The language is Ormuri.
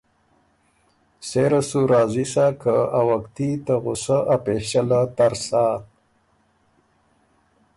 سېره سُو راضی سۀ که آ وقتي ته غصۀ ا پېݭۀ له تر سۀ۔